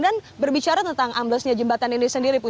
dan berbicara tentang amblesnya jembatan ini sendiri